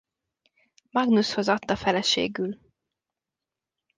Magnushoz adta feleségül.